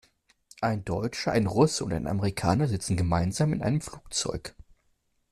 Ein Deutscher, ein Russe und ein Amerikaner sitzen gemeinsam in einem Flugzeug.